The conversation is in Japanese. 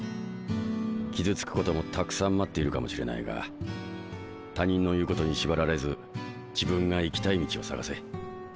傷つくこともたくさん待っているかもしれないが他人の言うことに縛られず自分が生きたい道を探せ。